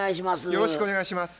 よろしくお願いします。